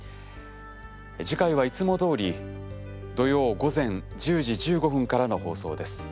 次回はいつもどおり土曜午前１０時１５分からの放送です。